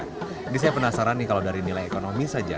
ini saya penasaran nih kalau dari nilai ekonomi saja